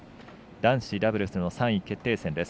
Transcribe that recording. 男子ダブルスの３位決定戦です。